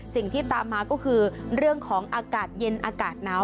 สิ่งที่ตามมาก็คือเรื่องของอากาศเย็นอากาศหนาว